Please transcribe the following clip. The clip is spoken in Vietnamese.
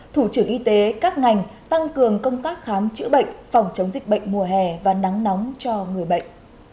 thủ trưởng y tế các ngành tăng cường công tác khám chữa bệnh phòng chống dịch bệnh mùa hè và nắng nóng cho người bệnh